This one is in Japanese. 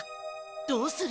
どうする？